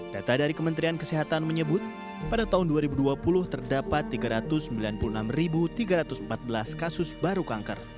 data dari kementerian kesehatan menyebut pada tahun dua ribu dua puluh terdapat tiga ratus sembilan puluh enam tiga ratus empat belas kasus baru kanker